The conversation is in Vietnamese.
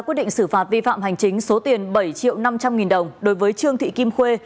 quyết định xử phạt vi phạm hành chính số tiền bảy triệu năm trăm linh nghìn đồng đối với trương thị kim khuê